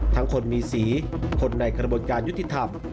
คนมีสีคนในกระบวนการยุติธรรม